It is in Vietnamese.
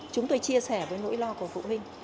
chúng tôi chia sẻ với nỗi lo của phụ huynh